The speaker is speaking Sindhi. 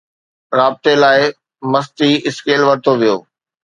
رابطي لاءِ، مستي اسڪيل ورتو ويو